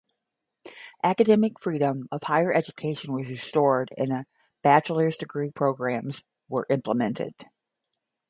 Academic freedom of higher education was restored and bachelor's degree programmes were implemented.